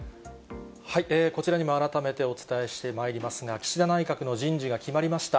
こちらにも改めてお伝えしてまいりますが、岸田内閣の人事が決まりました。